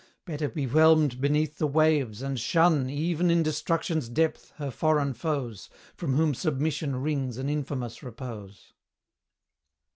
Better be whelmed beneath the waves, and shun, Even in Destruction's depth, her foreign foes, From whom submission wrings an infamous repose.